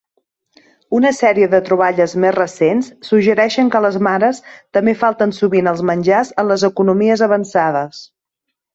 Una sèrie de troballes més recents suggereixen que les mares també falten sovint als menjars en les economies avançades.